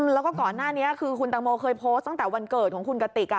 แล้วก็ก่อนหน้านี้คือคุณตังโมเคยโพสต์ตั้งแต่วันเกิดของคุณกติก